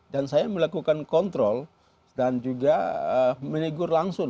dan saya melakukan kontrol dan juga menegur langsung para opd opd yang menyalahgunakan uang negara ini uang negara ini